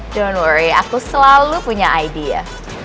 don't worry aku selalu punya idea